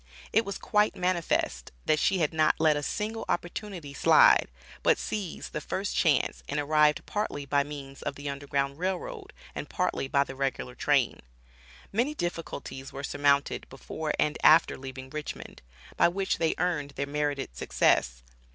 It was quite manifest, that she had not let a single opportunity slide, but seized the first chance and arrived partly by means of the Underground Rail Road and partly by the regular train. Many difficulties were surmounted before and after leaving Richmond, by which they earned their merited success.